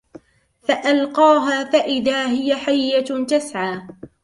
فألقاها فإذا هي حية تسعى